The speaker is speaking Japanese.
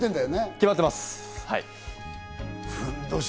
決まってます。